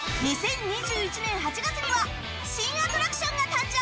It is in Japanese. ２０２１年８月には新アトラクションが誕生！